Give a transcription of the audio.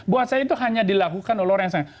buat saya itu hanya dilakukan oleh orang yang saya